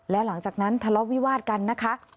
แล้วหลังจากนั้นทะเลาะวิวาดกันนะคะ